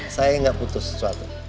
saya gak butuh sesuatu